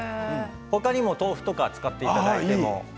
他にも豆腐とか使っていただいても。